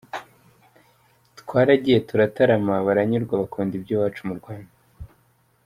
Twaragiye turatarama baranyurwa bakunda iby’ iwacu mu Rwanda”.